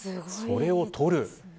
それを取る。